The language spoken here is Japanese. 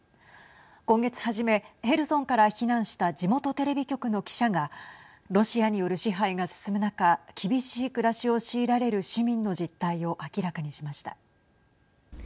今月初め、ヘルソンから避難した地元テレビ局の記者がロシアによる支配が進む中厳しい暮らしを強いられる市民の実態を明らかにしました。